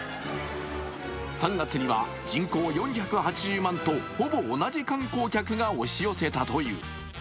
３月には人口４８０万と、ほぼ同じ観光客が押し寄せたという。